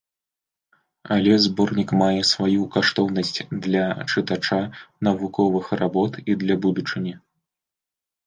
Але зборнік мае сваю каштоўнасць для чытача навуковых работ і для будучыні.